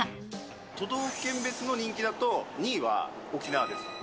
都道府県別の人気だと、２位は沖縄です。